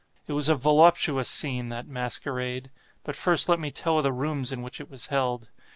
It was a voluptuous scene, that masquerade. But first let me tell of the rooms in which it was held.